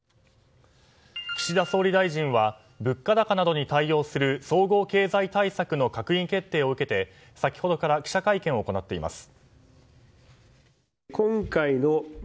岸田総理大臣は物価高などに対応する総合経済対策の閣議決定を受けて先ほどから記者会見を行っています。